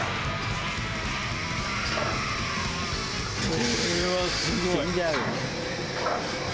これはすごい。